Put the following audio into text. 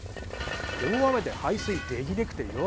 大雨で排水でぎねくてよ